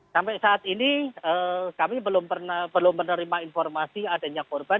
sampai saat ini kami belum menerima informasi adanya korban